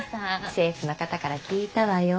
政府の方から聞いたわよ。